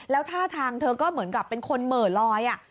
แล้วท่าทางเธอก็เหมือนกับเป็นคนเหม่อลอย